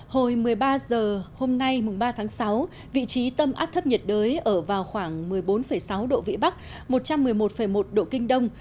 hồi một mươi ba h hôm nay mùng ba tháng sáu vị trí tâm áp thấp nhiệt đới ở vào khoảng một mươi bốn sáu độ vĩ bắc một trăm một mươi một một độ kinh đông